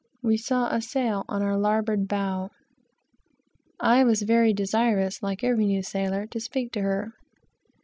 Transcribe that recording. we saw a sail on our larboard bow. I was very anxious, like every new sailor, to speak her.